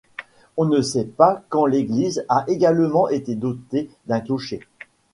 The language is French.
On ne sait pas quand l'église a également été dotée d'un clocher.